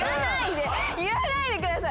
言わないでください！